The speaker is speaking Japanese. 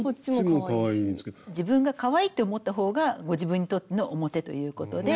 自分がかわいいと思った方がご自分にとっての表ということで。